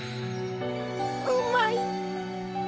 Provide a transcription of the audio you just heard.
うまい。